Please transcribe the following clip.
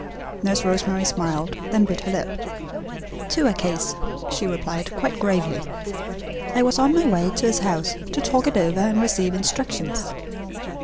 Nurse Rosemary smiled, then bit her lip. "To a case," she replied quite gravely. "I was on my way to his house to talk it over and receive instructions."